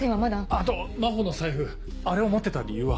あと真帆の財布あれを持ってた理由は？